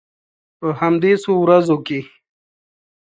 په همدې څو ورځو کې.